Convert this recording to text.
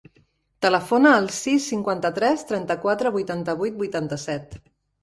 Telefona al sis, cinquanta-tres, trenta-quatre, vuitanta-vuit, vuitanta-set.